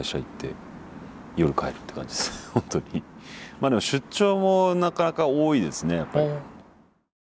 まあでも出張もなかなか多いですねやっぱり。